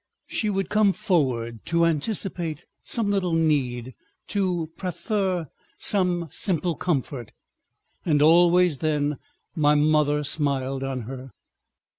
She would come forward to anticipate some little need, to proffer some simple comfort, and always then my mother smiled on her.